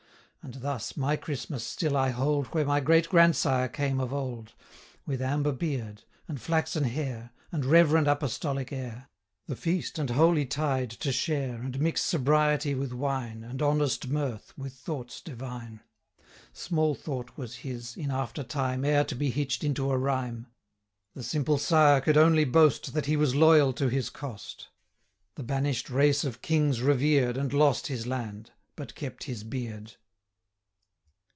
And thus, my Christmas still I hold Where my great grandsire came of old, 95 With amber beard, and flaxen hair, And reverend apostolic air The feast and holy tide to share, And mix sobriety with wine, And honest mirth with thoughts divine: 100 Small thought was his, in after time E'er to be hitch'd into a rhyme. The simple sire could only boast, That he was loyal to his cost; The banish'd race of kings revered, 105 And lost his land, but kept his beard.